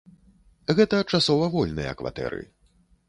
Гэта часова вольныя кватэры.